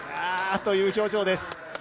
ああという表情です。